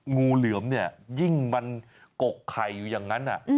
งูเหลือมเนี่ยยิ่งมันกกไข่อยู่อย่างนั้น